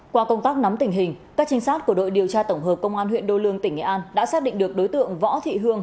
qua công tác nắm tình hình các trinh sát của đội điều tra tổng hợp công an huyện đô lương tỉnh nghệ an đã xác định được đối tượng võ thị hương